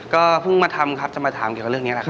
ก็เพิ่งมาทำครับจะมาถามเกี่ยวกับเรื่องนี้แหละครับ